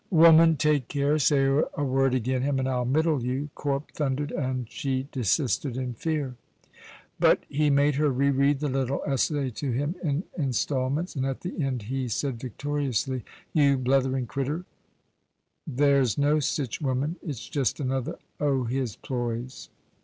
"Woman, take care; say a word agin him and I'll mittle you!" Corp thundered, and she desisted in fear. But he made her re read the little essay to him in instalments, and at the end he said victoriously, "You blethering crittur, there's no sic woman. It's just another o' his ploys!"